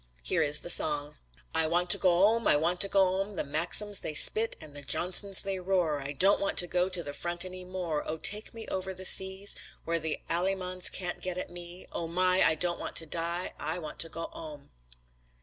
Here is the song: I want to go 'ome I want to go 'ome The Maxims they spit And the Johnsons they roar I don't want to go to the front any more Oh take me over the seas Where the Alley mans can't get at me Oh my; I don't want to die, I want to go 'ome.